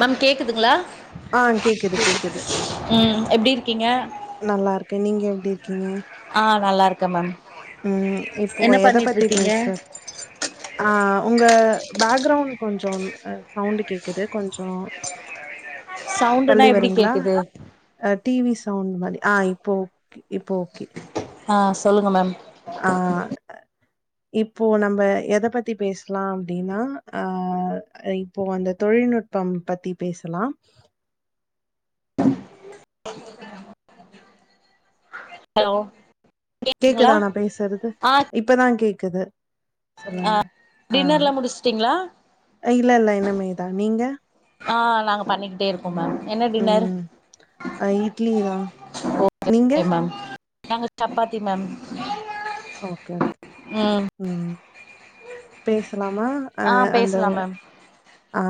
Ma'am கேக்குதுங்ளா அ கேக்குது கேக்குது எப்டி இருக்கீங்க நல்லாருக்கே நீங்க எப்டி இருக்கீங்க அ நல்லாருக்க மேம் ம் இப்போ என்ன எத பண்ணிட்டு பத்தி இருக்கீங்க பேச ஆ உங்க பேக்ரவுண்ட் கொஞ்சோம் அ சவுண்ட்டு கேக்குது கொஞ்சோ சவுண்டுனா தள்ளி எப்டி வரீங்ளா கேக்குது அ டிவி சவுண்ட் மாரி அ இப்போ ஓகே இப்போ ஓகே அ சொல்லுங்க மேம் ஆ இப்போ நம்ப எத பத்தி பேசலா அப்டின்னா அ இப்போ அந்த தொழில் தொழில்நுட்பம் பத்தி பேசலா ஹலோ கேக்குதா கேக்குதுங்களா நா பேசுறது ஆ இப்பதா கேக்குது சொல்லுங்க ஆ டின்னர்லா முடிச்சுட்டீங்களா அ இல்லல்ல இனமேதா நீங்க ஆ நாங்க பண்ணிக்கிட்டேருக் கோ மேம் என்ன டின்னர் ம் ஆ, இட்லி தா ஓகே நீங்க ஓகே மேம் நாங்க சப்பாத்தி மேம் ஓகே ஓகே ம் பேசலாமா அ ஆ அந்த பேசலாம் மேம் அ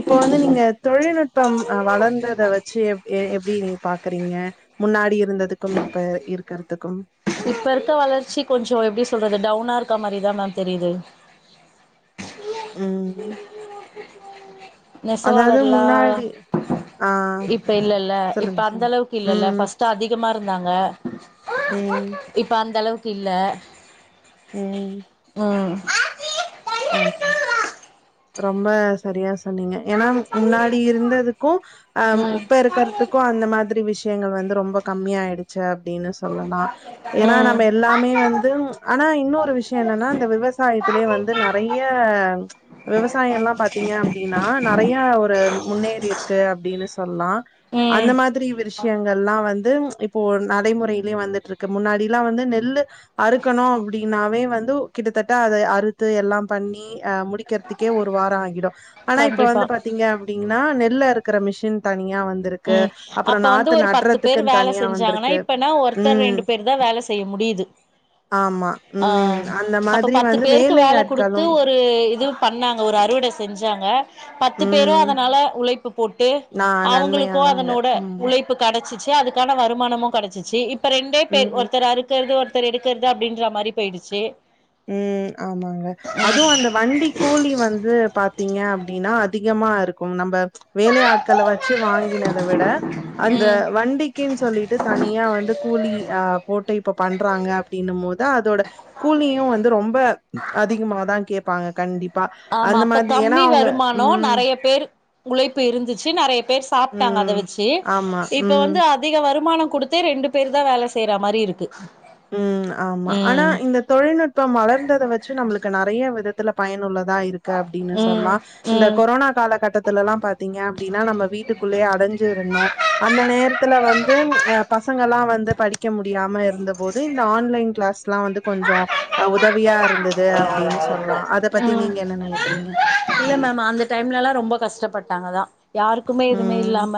இப்போ வந்து நீங்க தொழில்நுட்பம் அ வளந்தத வெச்சி எப் எ எப்டி நீங்க பாக் குறீங்க முன்னாடி இருந்ததுக்கும் இப்ப இருக்குறதுக்கும் இப்ப இருக்க வளர்ச்சி கொஞ்சோ எப்டி சொல்றது டவுனாருக்க மாரிதா மேம் தெரிது ம் அதாவது நெசவாளர்லா முன்னாடி ஆ இப்ப இல்லல்ல இப்ப சொல்லுங்க, சொல்லுங்க. அந்தளவுக்கு இல்லல்ல ம். பஸ்ட்டு அதிகமா இருந்தாங்க ம். இப்ப அந்தளவுக்கு இல்ல ம். ம் ஆமா ரொம்ப சரியா சொன்னீங்க ஏன்னா முன்னாடி இருந்ததுக்கு அ ம் இப்ப இருக்கறதுக்கு அந்த மாதிரி விஷ் யங்கள் வந்து ரொம்ப கம்மியாயிடுச்சே அப்படின்னு சொல்லலா ஏன்னா ம் நம்ப எல்லாமே வந்து ஆனா இன்னொரு விஷயோ என்னன்னா இந்த விவசாயத்திலே வந் து நெறைய விவசாயல்லா பாத்தீங்க அப்டின்னா நெறைய ஒரு முன்னேறிருக் கு அப்டின்னு சொல்லா அந்த ம் மாதிரி விஷயங்கள்லா வந்து இப்போ நடைமுறையிலியே வந்துட்ருக்கு முன்னாடிலா வந்து நெல்லு அறுக்கணு அப்டின்னாவே வந்து கிட்டத்தட் ட அத அறுத் து எல்லாம் பண்ணி அ முடிக்கறதுக்கே ஒரு வாரோ ஆகிடு ஆனா இப்ப கண்டிப்பா வந்து பாத்தீங்க அப்டினா நெல்லருக் குற மிஷின் தனி ம் அப்ப வந்து ஒரு பத்து பேர் நட்றதுக்குன்னு வேல தனியா செஞ்சாங்கன்னா வந்திருக்கு இப்பனா ஒருத்தர் ம் ரெண்டு பேரு தா வேல செய்ய முடிது ஆமா அ ம் அந்த அப்ப மாதிரி பத்து வந்து பேருக்கு வே வேலை வேல குடுத்து ஆட்களும் ஒரு இது பண்ணாங்க ஒரு அறுவடை செஞ்சாங்க பத்து பேரு ம் அதனால உலைப் பு போட்டு நா அவுங்களுக்க நன்மையானாங்க அதனோட ம் உலைப்பு கடச்சிச்சி அதுக்கான வருமானமு கடச்சிச்சி இப் ப ரெண்டே பேர் ம் ஒருத்தர் அறுக்கற்து ஒருத்தர் எடுக்கற்து அப்டின்ற மாதிரி போயிடிச்சி ம் ஆமாங்க அதுவு அந்த வண்டி கூலி வந்து பாத்தீங்க அப்டின்னா அதிகமா ருக்கும் நம்ப வேலை ஆட்கள வெச்சி வாங்கினத விட அந்த ம் வண்டிக்குன் சொல்லிட்டு தனியா வந்து கூலி அ போட்டே இப்போ பண்றாங்க அப்டின்னும் மோது அதோட கூலியு வந்து ரொம்ப அதிகமா தா கேப் பாங்க கண்டிப் ஆமா அப்ப கம்மி வருமானோ ம் நறைய பேர் உழைப்பு இருந்துச்சு நறைய பேர் சாப்டாங்க ம் அத வச்சி ஆமா. இப்ப ம். வந்து அதிக வரு மான குடுத்தே ரெண்டு பேர் தா வேல செய்ற மாரி இருக்கு ம் ஆமா ஆனா ம் இந்த தொழில்நுட்பம் வளர்ந்தத வச்சு நம்மளுக்கு நறைய விதத்துல பயனுள்ளதா இருக்கு அப்டினு சொல்லா ம் இந்த கொரோனா ம் காலகட்டத்துல எல்லா பாத் திங்க அப்டினா நம்ம வீட்டுக்குள்ளயே அடைஞ்சிருந்தோ அந்த நேரத்துல வந்து அ பசங்கலா வந்து படிக்க முடியாம இருந்தபோது இந்த ஆன்லைன் க்ளாஸ் லா வந்து கொஞ்ச அ உதவியா இருந்து ம் நெனைக்கிறீங்க? இல்ல மேம் அந்த டைம்லலா ரொம்ப கஷ்ட பட்டாங்கதா யாருக்குமே எதுமே ம். இல்லாம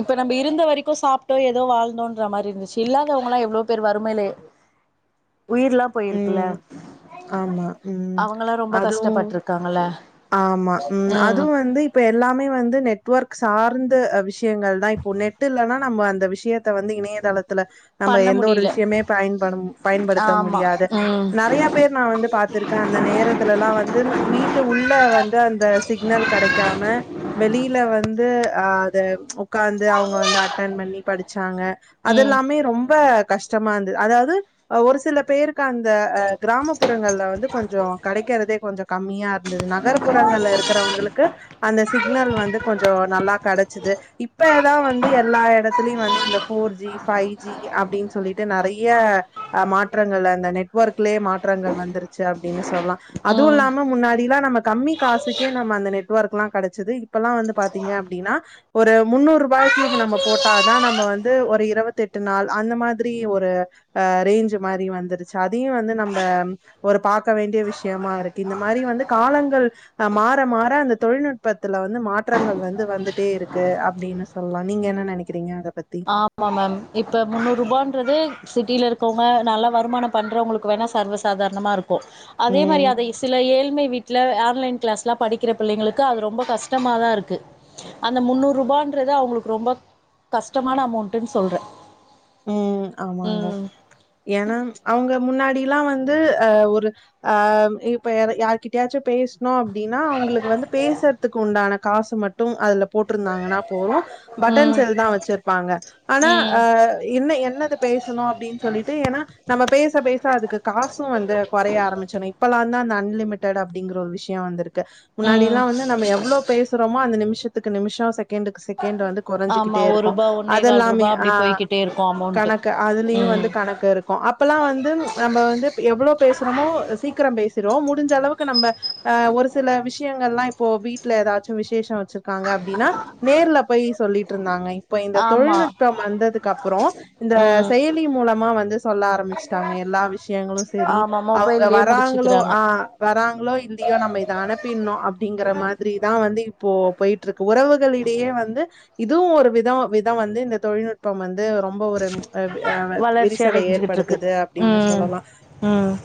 இப்ப நம்ப இருந்த வரைக்கு சாப்டோ ஏதோ வாழ்ந்தோன்ற மாரி இருந்ச்சு இல்லாதவங்கலா எவ்ளோ பேர் வறுமைலே உயிர்லா போயிருக்குல ம். ஆமா. ம். அவுங்கலா ரொம்ப அதுவும் கஷ்டப்பட்ருக்காங்கல ஆமா ம் அது வந்து இப்ப எல்லாமே வந்து நெட்வொர்க் சார்ந்த விஷயங்கள் தா இப்போ நெட் இல்லனா நம்ம அந்த விஷயத்த வந்து இணையதளத் துல நம்ம பண்ண எந்த ஒரு முடியல விஷயமே பயன்ப பயன்படுத்த ஆமா முடியாது ம் நறைய பேர் நா வந்து பாத்துருக்கே அந்த நேரத்துலலா வந்து வீட்டு உள்ள வந்து அந்த சிக்னல் கெடைக்காம வெளில வந்து அ அத உக்காந்து அவுங்க வந்து அட்டன் பண்ணி படிச்சாங்க ம் அதெல்லாமே ரொம்ப கஷ்டமா இருந்து அதாது ஒரு சில பேருக்கு அந்த அ கிராமப்புறங்கள்ல வந்து கொஞ்ச கெடைக்கறதே கொஞ்ச கமியா இருந்துது நகர்புறங்கள்ல இருக்கிறவங்களுக் கு அந்த சிக்னல் வந்து கொஞ்ச நல்லா கடைச்சது இப்பதா வந்து எல்லா எடத்துலயு வந் து இந்த ஃபோர்ஜி ஃபைஜி அப்டின் சொல்லிட்டு நறைய அ மாற்றங்கள் அந்த நெட்வொர்க்லயே மாற்றங்கள் வந்துருச்சு அப்டினு சொல் சொல்லா அது இல்லாம முன்னாடிலா நம்ம கம்மி காசுக்கே நம்ம அந்த நெட் நெட்வொர்க்லா கெடச்சது இப்பல்லா வந்து பாத்திங்க அப்டின்னா ஒரு முன்னூறுபாய்க்கு நம்ம போட்டாதா ம் நம்ம வந்து ஒரு இருவத்தெட்டு நாள் அந்த மாதிரி ஒரு அ ரேஞ்ச் மாரி வந்துரு ச்சு அதையு வந்து நம்ம ஒரு பாக்க வேண்டிய விஷயமா இருக்கு இந்த மாரி வந்து காலங்கள் மா மாற மாற அந்த தொழில்நுட்பத்துல வந்து மாற்றங்கள் வந்து வந்துட்டே இருக்கு அப்டினு சொல்லா நீங்க என்ன நெனைக்கிறிங்க அத பத்தி ஆமா மேம் இப்ப முன்னூறுபான்றது சிட்டில இருக்கவுங்க நல்லா வருமான பண்றவங்ளுக்கு வேணா சர்வசாதாரணமா இருக் கு அதே மாரி ம் அதை சில ஏழ்மை வீட் ல ஆன்லைன் கிளாஸ்லா படிக்கிற பிள்ளைங்களுக்கு அது ரொம்ப கஷ்டமா தா இருக்கு அந்த முன்னூறுபான்றது து அவுங்களுக்கு ரொம்ப கஷ்டமான அமௌண்ட்னு சொல்ற ம் ஆமாங்க ஏனா அவுங்க முன்னாடி லா வந்து ஒரு ஆ இப்ப யா யார்கிட்டயாச்சு பேச னு அப்டின்னா அவுங்களுக்கு வந்து பேசுறதுக்கு உண்டான காசு மட்டு அதுல போட்ருந்தாங்கனா போறு பட்டன் ம் செல் தா வச்சிர்ப்பாங்க ஆனா ம் அ என்ன என்னது பேசணு அப்டினு சொல்லிட்டு ஏனா நம்ம பேச பே அதுக்கு காசு வந்து கொறைய ஆரம்பச்சிரு இப்பல்லா தா அந்த அன்லிமிடெட் அப்டிங்கற ஒரு விஷயோ வந்துருக்கு ப ம் முன்னாடில்லா வந்து நம்ம எவ்ளோ பேசுறோமோ அந்த நிம்ஷத்துக்கு நிம்ஷோ செகண்டுக்கு செக் கேண்ட்டு வந்து ஆமா ஒரு கொறைஞ்சுகிட்டேருக்கூ ரூபா ஒன்னே கால் ரூபா அதெல்லாமே ஆ அப்டி போய்கிட்டே இருக்கு அமௌண்ட்டு கணக்கு அதுலயு வந்து ம் கணக்கு இருக்கு அப்பல்லா வந்தும் நம்ப வந்து எ எவ்ளோ பேசுறோமோ சீக்ரம் பேசிரோ முடிஞ்ச அளவுக்கு நம்ம ஒரு சில விஷயங்கள்லா இப்போ வீட்ல எதாச்சு விசேஷோ வச்சிருக்காங்க அப்டின்னா நேர்ல போய் சொல்லிட்ருந்தாங்க இப்ப இந்த ஆமா தொழில்நுட்பம் வந்ததுக்கு அப்புறோ இந்த ம் செயலி மூலமா வந்து சொல்ல ஆரம்பிச்சிட்டாங்க எல்லா விஷயங்களு செரி ஆமா அவ அவுங்க மொபைல்லயே வராங்களோ முடிச்சுக்கிறாங்க ஆ வரா வந்து இப்போ போயிட்டு இருக்கு உறவுகளிடையே வந்து இதுவு ஒரு விதோ விதோம் வந்து இந்த தொழில்நுட் து ரொம்ப ஒரு அவ் ஆ வளர்ச்சி விரிசல அடைஞ்சுகிட்டு இருக்கு ஏற்படுத்துது அப்டினு ம் சொல்லலா ம்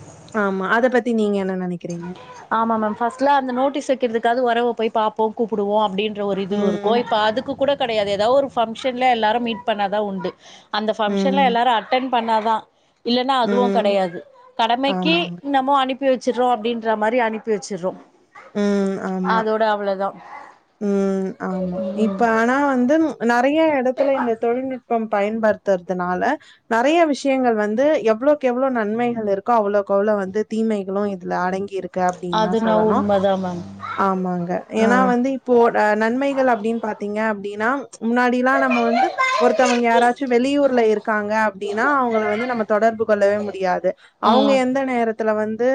ஆமா அத பத்தி நீங்க என்ன நெனைக்கிறீங்க ஆமா மேம் ஃபர்ஸ்ட்லா அந்த நோட்டீஸ் வெக்கிறதுக்காக உறவ போய் பாப்போ கூப்பிடுவோ அப்டின் ஒரு இது இருக்கு ம். இப்ப அதுக்கு கூட கெடையாது ஏதாவது ஒரு பங்க்ஷன்ல எல்லாரு மீட் பண்ணாதா உண்டு அந்த ஃபங்க்ஷன ம். எல்லாரு அட்டென் பண்ணா தான இல்லன்னா அதுவூ ம். கெடையாது கடமைக்கி ஆமாங்க. என்னமோ அனுப்பி வச்சுட்றோ அப்டின் ற மாரி அனுப்பி வச்சுர்றோ ம் ஆமா ம் ஆமா இப்ப ஆனா வந்தும் நறைய எடத்துல இந்த தொழில்நுட்ப பம் பயன்படுத்துறதுனால நறைய விஷயங்கள் வந்து எவ்ளோக்கெவ்ளோ நன்மைகள் இருக்கோ அவ்ளோக் கோலோ வந்து தீ மிதிக்கனு இதுல அடங்கி இருக்கு அப்டின்னு தா அதுனா சொல்லணு உண்மதா மேம் ஆமாங்க ஏனா ம் வந்து இப்போ அ நன்மைகள் அப்டின் பாத்தீங்க அப்டீனா முன்னாடில்லா நம்ம வந்து ஒருத்தவங்க யாராச்சு வெளியூர்ல இருக்காங்க அப்டின்னா அவங்கள வந்து நம்ம தொடர் ஏது கொள்ளவே முடியாது அவுங்க எந்த நேர துல வந்து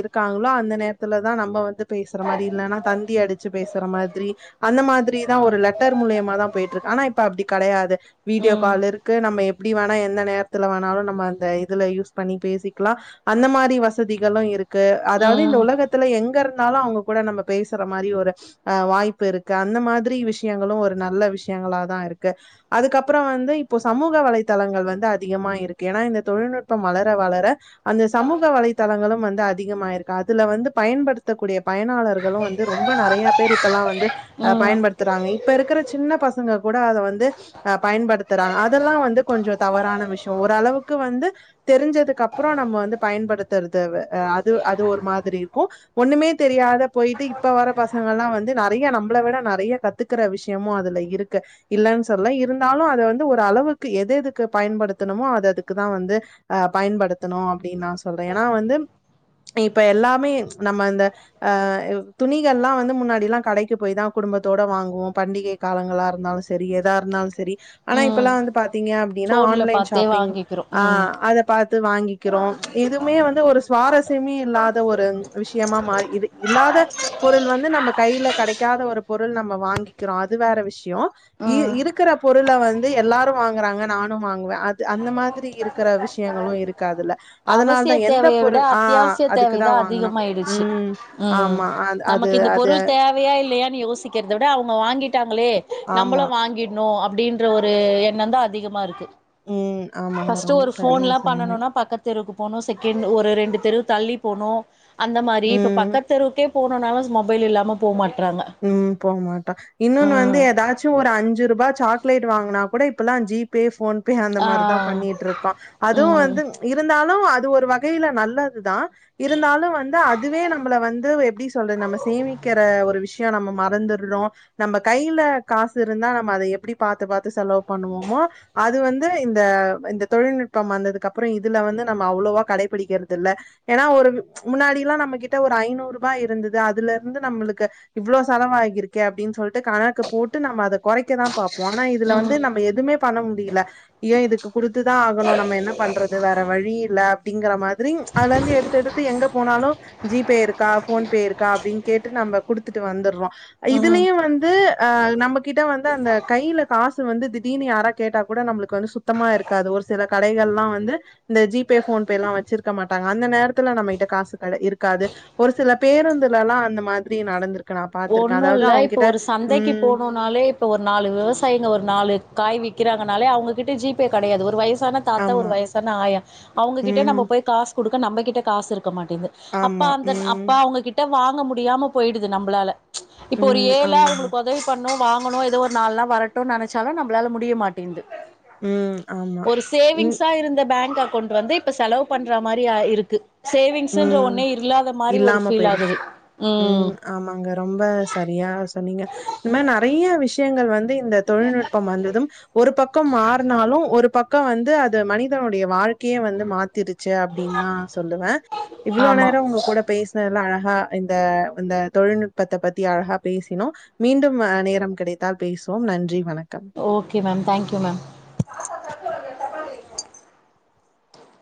இருக்காங்களோ அந்த நேரத்துல தா நம்ம வந்து பேசுற மாரி இல்லன்னா தந்தி அடிச்சு பேச மாதிரி அந்த மாதிரிதா ஒரு லெட்டர் மூலியமா தா போயிட்ருக்கு ஆனா இப்ப அப்டி கெடையாது வீடியோ ம் கால் இருக்கு நம்ம எப் எப்படி வேணா எந்த நேரத்துல வேணாலு நம்ம அந்த இதுல யூஸ் பண்ணி பேசிக்லா அந்த மாதிரி வசதிகளு இருக்கு க்கு அதாவது ம் இந்த ம் உலகத்துல எங்க இருந் இருந்தாலும் அவங்க கூட நம்ம பேசுற மாரி ஒரு வாய்ப்பிருக்கு அந்த மாதிரி விஷயங்களு ஒரு நல்ல விஷய நல்லா தா இருக்கு அதுக்கப்புற வந்து இப்போ சமூக வலைதளங்கள் வந்து அதிகமா இருக்கு ஏன்னா இந்த தொழில்நுட்ப ட்பம் வளர வளர அந்த சமூக வலைதளங்களும் வந்து அதிகமாயிருக்கு அதுல வந்து பயன்படுத்தக்கூடிய பயனாளர்களு வந்து ரொம்ப நெறையா பேர் இப்பெல்லா வந்து ம் பயன்படுத்துறாங்க இப்ப இருக்கிற சின்ன பசங்க கூட அத வந்து பயன்படுத்துறா அதெல்லா வந்து கொஞ்ச தவறான விஷய ஓரளவுக்கு வந்து தெரிஞ்சதுக்கு அப்புற நம்ம வந்து பயன்படுத்துறது வ அது அது ஒரு மாதிரி இருக்கு ஒண்ணுமே தெரியாத போயிட்டு இப்ப வர பசங்க எல்லா வந்து நெறை நிறைய நம்மள விட நிறைய கத்துக்கிற விஷயமு அதுல இருக்கு இல்லன்னு சொல்லல இருந்தாலு அத வந்து ஒரு அளவு எது எதுக்கு பயன்படுத்தனுமோ அது அதுக்கு தா வந்து ஆ பயன்படுத்தனு அப்படின் நா சொல்ற ஏன்னா வந்து இப்போ எல்லாமே நம்ம இந்த துணிகல்லா வந்து முன்னாடில்லா கடைக்கு போய் தா குடும்பத்தோட வாங்குவோ பண்டிகை காலங்களா இருந்தாலு சரி எதா இருந்தாலு சரி ஆனா ம் இப்பெல்லா வந்து பாத்தீங்க அப்டினா ஃபோன்ல ஆன்லைன் பாத்தே ஷாப்பிங் வாங்கிக்கிறோ அ ம் அது பாத்து வாங்கிக்கிறோ எதுவுமே வந்து ஒரு சுவாரஸ்யமே இல்லாத ஒரு விஷயமா மாறி இது இல்லாத பொருள் வந்து நம்ம கைல கெடைக்காத ஒரு பொருள் நம்ம வாங்கிக்கிறோ அது வேற விஷயோ ம் இருக்குற பொருள வந்து எல்லாரு வாங்குறாங்க நானும் வாங்குவ அது அந்த மாதிரி இருக்கிற விஷயங்களு இருக்கு அதுல அதனால அவசிய தா எந்த தேவைய விட பொருள் ஆ அத்தியாவசிய அதுக்குதா தேவைதா வாங்கணு அதிகமாய் ச்சு ம் ம் ஆமா. அது அது நமக்கு இந்த அது பொருள் தேவையா இல்லையா யோசிக்கிறத விட அவங்க வாங்கிட்டாங்ளே நம்ளு ஆமா. வாங்கிடணு அப் அப்டின்ற ஒரு எண்ணந்தா அதிகமா இருக்கு ம். ஆமாங்க. ஃபர்ஸ்ட் ரொம்ப ஒரு சரியா ஃபோன்லா சொன்னீங்க. பண்ணணுனா பக்கத் தெருவுக்கு போனு செகண்ட் ஒரு ரெண்டு தெரு தள்ளி போனு அந்த மாரி இப்ப ம். பக்கத் தெருவுக்கே போனுனாளு மொபைல் இல்லாம போ மாட் ம் போகமாட்டோ இன்னொனு வந்து ம் எதாச்சு ஒரு அஞ்சு ருபா சாக்லேட் வாங்னா கூட இப்பலா ஜி பே ஃபோன் பே அந்த ஆ மார்தா பண்ணிட்ருக்கோ அதுவு ம் வந்து இருந்தாலு லு அது ஒரு வகைல நல்லதுதா இருந்தாலு வந்து அதுவே நம்மள வந்து எப்டி சொல்றது நம்ம சேமிக்கிற ஒரு விஷ் ய நம்ம மறந்துர்றோ நம்ம கைல காசிருந்தா நம்ம அதை எப்பிடி பாத்து பாத்து செலவு பண்ணுவமோ அது வந்து இந்த இந்த தொழில்நுட்பம் வந்ததுக்கப்புற இதுல வந்து நம்ம அவ்ளோவா கடைபிடிக்கிறது இல் ல ஏனா ஒரு முன்னாடிலா நம்ம கிட்ட ஒரு ஐநூறுபா இருந்துது அதுலருந்து நம்முளுக்கு இவ்ளோ செலவாகி இருக்கே அப்டினு சொல் கணக்கு போட்டு நம்ம அத கொறைக்கதா பாப்போ ஆனா இதுல வந்து ம் நம்ம எதுமே பண்ண முடியில ஏ இதுக்கு குடுத்துதா ஆகணு நம்ம என்ன பண்றது வேற வழி இல்ல அப்டிங்கிற மாதிரி அதுல இருந்து எடுத்து எடுத்து எங்க போனா லு ஜி பே இருக்கா போன் பே இருக்கா அப்டின்னு கேட்டு நம்ம குடுத் துட்டு வந்துர்றோ ம் இதுலயு வந்து ஆ நம்மகிட்ட வந்து அந்த கைல காசு வந்து திடீர்னு யாரா கேட்டா கூட நம்மளுக்கு வந்து சுத்தமா இருக்காது ஒரு சில கடைகள்லா வந்து இந்த ஜி பே போன் பேல்லா வச்சிருக்க மாட் அந்த நேரத்துல நம்மகிட்ட காசு கெட இருக்காது ஒரு சில பேருந்துலல்லா அந்த மாதிரி நடந்திருக்கு நா பாத்திருக்கே ஒண்ணு அதாவது இல்ல இப்ப அவங்கிட்ட ஒரு சந்தைக்கி ம் போனுன்னாலே இப்ப ஒரு நாலு விவசாயிங்க ஒரு நாலு காய் விக் கிறாங்கனாலே அவுங்ககிட்ட ஜி பே கெடையாது ஒரு வயசான தாத்தா ஒரு ஆமா வயசான ஆயா அவுங்ககிட்ட நம்ம ம் போய் காசு குடுக்க நம்மகிட்ட காசு இருக்க மாட்டேது அப்ப ஆமா அந்த ம் அப்ப அவுங்ககிட்ட வாங் க முடியாம போயிடுது நம்பளால இப்ப ஒரு ம் ஏழ ஆமாங்க அவங்களுக்கு ஒதவி பண் ணனு வாங்கணு ஏதோ ஒரு நால்னா வரட்டுன்னு நெனச்சாலு நம்பளால முடிய மாட்டேன்து ம் ஆமா ஒரு ம் சேவிங்ஸா இருந்த பேங்க் அக் கவுண்ட் வந்து இப்ப செலவு பண்ற மாரி ஆ இருக்கு சேவிங்ஸ்ன்ற ம் ஒண்ணே இல்லாத மாரி ஒரு இல்லாம ஃபீல் ஆகுது போயிடுச்சு ம் ரொம்ப சரியா சொன்னீங்க இந்த மாரி நெறையா விஷயங்கள் வந்து இந்த தொழில்நுட்பம் வந்ததும் ஒரு பக்கம் மறுநாளு ஒரு பக் கோ வந்து அது மனிதனுடைய வாழ்க்கயே வந்து மாத்திருச்சி அப்டின் தா சொல்லுவே இவ்ளோ ஆமா நேரோ உங்க கூட பேசின இவ்ள அழகா இந்த இந்த தொழில்நுட்பத்த பத்தி அழகா பேசினோ மீண்டும் நேரம் கிடைத் தால் பேசுவோம் நன்றி வணக்கம் ஓகே மேம் தேங்க்யூ மேம்